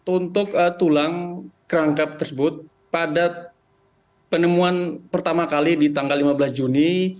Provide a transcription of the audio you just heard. untuk tulang kerangkap tersebut pada penemuan pertama kali di tanggal lima belas juni